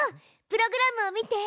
プログラムを見て！